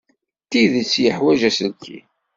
D tidet yeḥwaj aselkim.